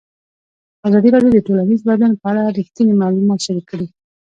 ازادي راډیو د ټولنیز بدلون په اړه رښتیني معلومات شریک کړي.